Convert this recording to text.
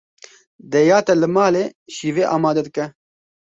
Dêya te li mal e şîvê amade dike.